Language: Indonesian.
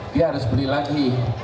dia harus beli lagi